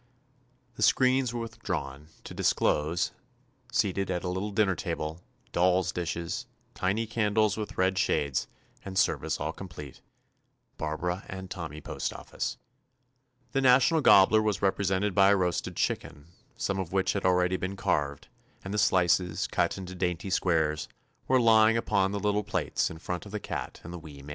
The screens were with drawn, to disclose, seated at a little dinner table, — doll's dishes, tiny can dles with red shades, and service all complete, — Barbara and Tommy Postoffice. The national gobbler was represented by a roasted chicken, some of which had already been carved, 208 TOMMY POSTOFFICE and the slices, cut into dainty squares, were lying upon the little plates in Seated at a little table — Barbara and Tommy Postoffice. front of the cat and the wee maid.